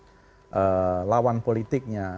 menarik lawan politiknya